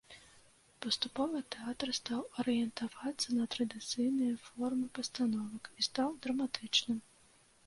Паступова тэатр стаў арыентавацца на традыцыйныя формы пастановак і стаў драматычным.